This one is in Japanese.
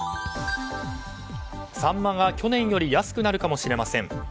サンマが去年より安くなるかもしれません。